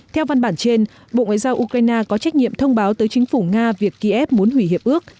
theo văn bản trên bộ ngoại giao ukraine có trách nhiệm thông báo tới chính phủ nga việc kiev muốn hủy hiệp ước